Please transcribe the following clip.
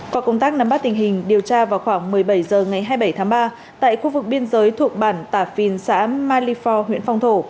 qua công tác nắm bắt tình hình điều tra vào khoảng một mươi bảy h ngày hai mươi bảy tháng ba tại khu vực biên giới thuộc bản tà phìn xã malifor huyện phong thổ